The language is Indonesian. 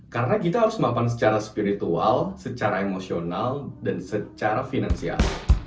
karena kita harus mapan secara spiritual secara emosional dan secara finansial